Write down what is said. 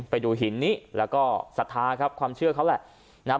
ไปดูหินนี้แล้วก็ศรัทธาครับความเชื่อเขาแหละนะครับ